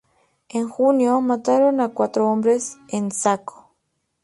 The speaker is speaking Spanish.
En junio, mataron a cuatro hombres en Saco.